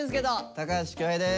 高橋恭平です。